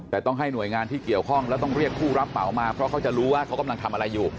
แต่ต้องให้หน่วยงานที่เกี่ยวข้องแล้วต้องเรียกผู้รับเหมามาเพราะเขาจะรู้ว่าเขากำลังทำอะไรอยู่